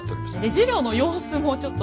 授業の様子もちょっと。